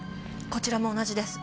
こちらも同じです。